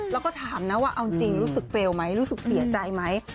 แล้วก็ถามนะว่าเอาจริงรู้สึกเฟลล์ไหมรู้สึกเสียใจไหม